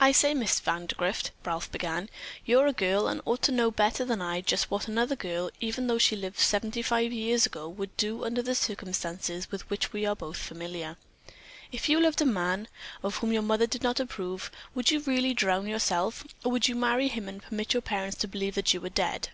"I say, Miss Vandergrift," Ralph began, "you're a girl and you ought to know better than I just what another girl, even though she lived seventy five years ago, would do under the circumstances with which we are both familiar. If you loved a man, of whom your mother did not approve, would you really drown yourself, or would you marry him and permit your parents to believe that you were dead?"